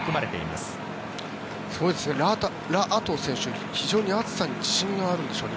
すごいですねラ・アトウ選手非常に暑さに自信があるんでしょうね。